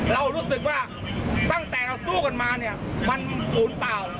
เรารู้สึกว่าตั้งแต่เราสู้กันมาเนี่ยมันปูนเปล่า